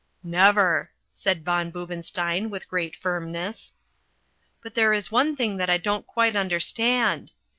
"Never," said von Boobenstein with great firmness. "But there is one thing that I don't quite understand.